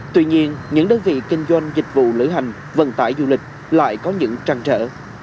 tuy nhiên những đơn vị kinh doanh dịch vụ lữ hành vận tải du lịch lại có những trăng trở